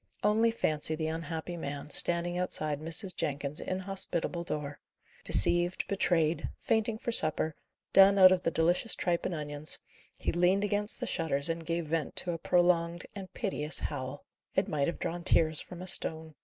Only fancy the unhappy man, standing outside Mrs. Jenkins's inhospitable door! Deceived, betrayed, fainting for supper, done out of the delicious tripe and onions, he leaned against the shutters, and gave vent to a prolonged and piteous howl. It might have drawn tears from a stone.